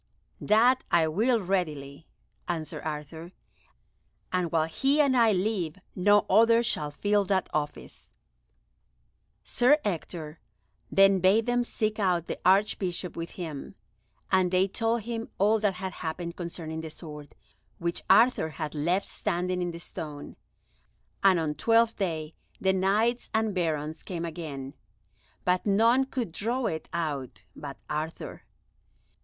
"That I will readily," answered Arthur, "and while he and I live no other shall fill that office." [Illustration: HOW ARTHVR DREW THE SWORD] Sir Ector then bade them seek out the Archbishop with him, and they told him all that had happened concerning the sword, which Arthur had left standing in the stone. And on Twelfth Day the Knights and Barons came again, but none could draw it out but Arthur.